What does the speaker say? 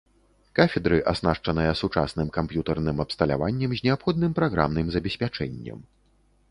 Кафедры аснашчаныя сучасным камп'ютарным абсталяваннем з неабходным праграмным забеспячэннем.